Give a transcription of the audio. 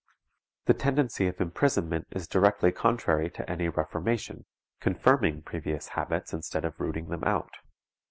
_ The tendency of imprisonment is directly contrary to any reformation, confirming previous habits instead of rooting them out.